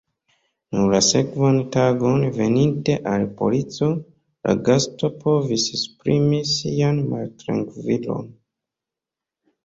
Nur la sekvan tagon, veninte al polico, la gasto povis esprimi sian maltrankvilon.